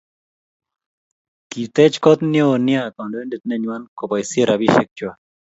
Kitech kot neo nea kandoindet neywan kobaisie rabisiek chwak